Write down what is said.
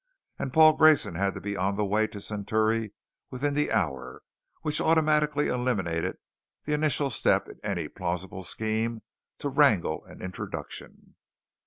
And Paul Grayson had to be on the way to Centauri within the hour, which automatically eliminated the initial step in any plausible scheme to wrangle an introduction.